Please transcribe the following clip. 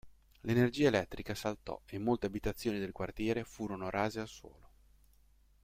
L'energia elettrica saltò e molte abitazioni del quartiere furono rase al suolo.